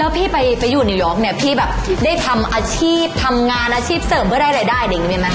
แล้วพี่ไปอยู่อะพี่ได้ทำงานอาชีพเสริมเพื่อได้รายได้อย่างนี้มั้ย